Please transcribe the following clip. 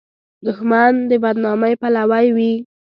دښمن د بد نامۍ پلوی وي